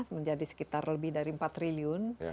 menjadi sekitar lebih dari empat triliun